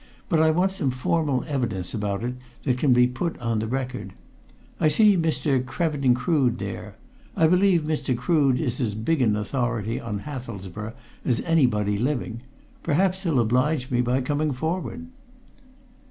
"But I want some formal evidence about it that can be put on the record. I see Mr. Krevin Crood there I believe Mr. Crood is as big an authority on Hathelsborough as anybody living perhaps he'll oblige me by coming forward."